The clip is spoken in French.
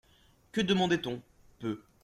Que demandait-on ? Peu.